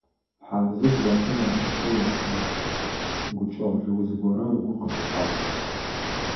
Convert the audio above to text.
Хьамзэт ятэ нэшӀукӀэ еплъыгъ, гукӀэгъу лыуз горэ ыгу къыфихьагъ.